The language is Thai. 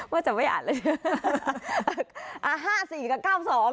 ว่าจับไม่อาจเลย